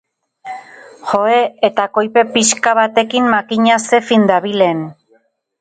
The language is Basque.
Joe eta koipe pixka batekin makina ze fin dabilen!